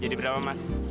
jadi berapa mas lima